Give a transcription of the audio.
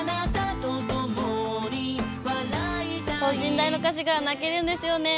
等身大の歌詞が泣けるんですよね。